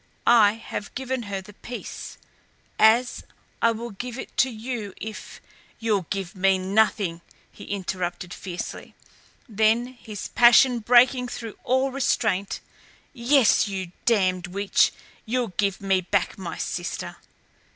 I have given her the peace as I will give it to you if " "You'll give me nothing," he interrupted fiercely; then, his passion breaking through all restraint "Yes, you damned witch you'll give me back my sister!"